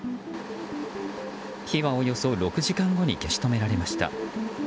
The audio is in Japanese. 火はおよそ６時間後に消し止められました。